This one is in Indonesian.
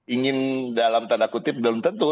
ingin dalam tanda kutip belum tentu